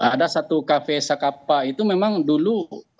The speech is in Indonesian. ada satu kafe sakapa itu memang dulu